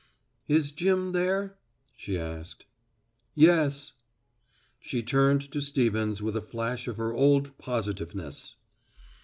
"Is Jim there?" she asked. "Yes." She turned to Stevens with a flash of her old positiveness.